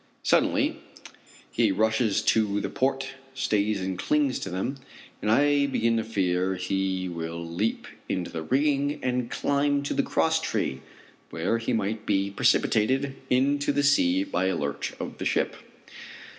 Suddenly he rushes to the port stays and clings to them, and I begin to fear that he will leap into the rigging and climb to the cross tree, where he might be precipitated into the sea by a lurch of the ship.